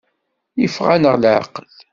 Yeffeɣ-aneɣ leɛqel.